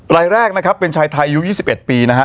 รายแรกนะครับเป็นชายไทยอายุ๒๑ปีนะฮะ